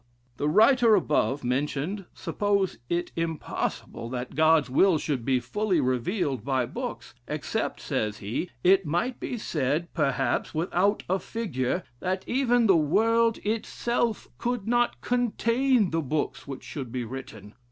The writer above mentioned supposes it impossible, that God's will should be fully revealed by books; 'except,' says he, 'it might be said perhaps without a figure, that even the world itself could not contain the books which should be written.'